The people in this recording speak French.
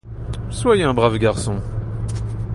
Soyez un brave garçon.